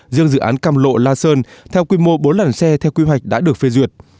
riêng dự án cam lộ la sơn theo quy mô bốn làn xe theo quy hoạch đã được phê duyệt